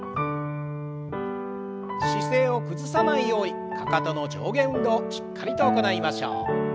姿勢を崩さないようにかかとの上下運動しっかりと行いましょう。